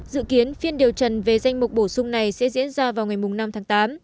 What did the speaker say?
dự kiến phiên điều trần về danh mục bổ sung này sẽ diễn ra vào ngày năm tháng tám